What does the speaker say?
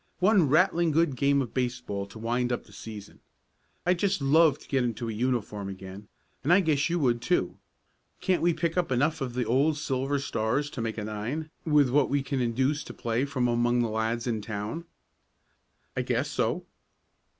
One rattling good game of baseball to wind up the season! I'd just love to get into a uniform again, and I guess you would too. Can't we pick up enough of the old Silver Stars to make a nine, with what we can induce to play from among the lads in town?" "I guess so."